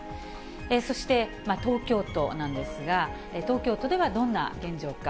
そして、東京都なんですが、東京都ではどんな現状か。